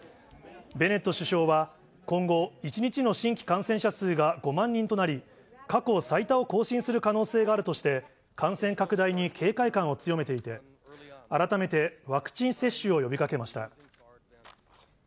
ベネット首相は今後、１日の新規感染者数が５万人となり、過去最多を更新する可能性があるとして、感染拡大に警戒感を強めていて、改めてワクチン接種を呼びかけました。